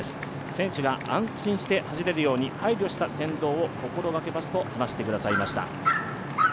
選手が安心して走れるように配慮した先導を心がけますと話してくださいました。